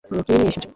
কি নিয়ে এসেছো?